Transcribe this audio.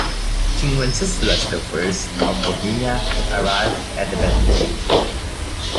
King Wenceslaus the First of Bohemia arrived at the battle field too late.